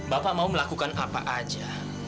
bapak mau melakukan apa aja